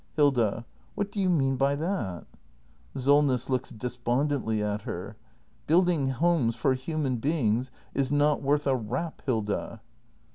Hilda. What do you mean by that? Solness. [Looks despondently at her.] Building homes for human beings — is not worth a rap, Hilda.